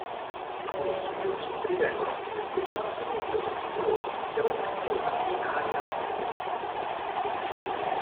Alcuni studiosi ritengono che nel brillante nucleo della nebulosa sia presente una binaria simbiotica.